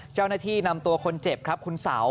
เจ้าหน้าที่นำตัวคนเจ็บครับคุณเสา